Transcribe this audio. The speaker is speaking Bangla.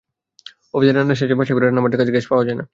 অফিসের কাজ শেষে বাসায় ফিরে রান্নাবান্নার কাজে গ্যাস পাওয়া যায় না।